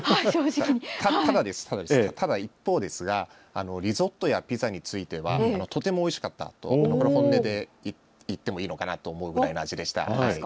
ただ一方、リゾットやピザについてはとてもおいしかったと本音で言ってもいいのかなと思うくらいの味でした。